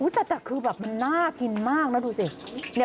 แต่คือแบบมันน่ากินมากนะดูสิ